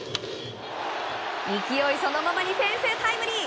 勢いそのままに先制タイムリー！